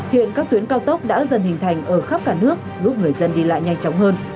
hiện các tuyến cao tốc đã dần hình thành ở khắp cả nước giúp người dân đi lại nhanh chóng hơn